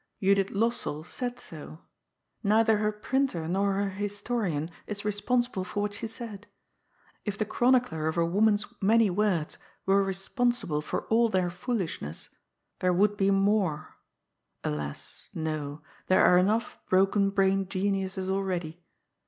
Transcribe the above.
Judith Lossell said so. Neither her printer nor her historian is responsible for what she said. If the chronicler of a woman's many words were responsible for all their foolishness, there would be more — alas I no ; there are enough broken brained geniuses already.